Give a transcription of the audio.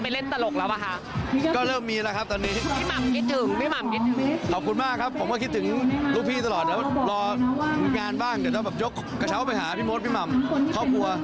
พี่ศักดิ์ก็คือคนที่ถือมือถือให้พี่หม่ำนะคะ